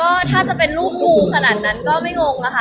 ก็ถ้าจะเป็นรูปปูขนาดนั้นก็ไม่งงอะค่ะ